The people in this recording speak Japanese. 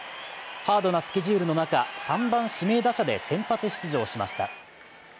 ハードなスケジュールの中３番・指名打者で先発出場しました。